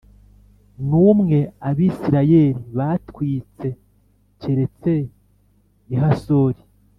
n umwe Abisirayeli batwitse keretse i Hasori